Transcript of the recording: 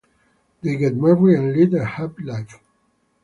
They get married and lead a happy life.